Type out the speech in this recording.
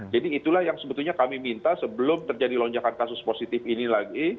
jadi itulah yang sebetulnya kami minta sebelum terjadi lonjakan kasus positif ini lagi